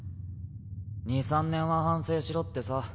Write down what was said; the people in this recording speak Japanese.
２３年は反省しろってさ。